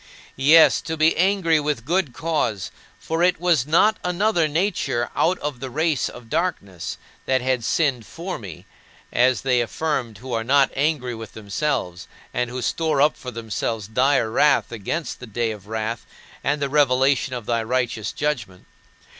Yes, to be angry with good cause, for it was not another nature out of the race of darkness that had sinned for me as they affirm who are not angry with themselves, and who store up for themselves dire wrath against the day of wrath and the revelation of thy righteous judgment.